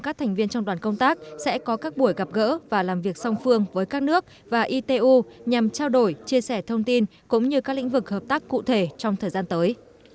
các thành viên trong đoàn công tác sẽ có các buổi gặp gỡ và làm việc song phương với các nước và itu nhằm trao đổi chia sẻ thông tin cũng như các lĩnh vực hợp tác cụ thể trong thời gian tới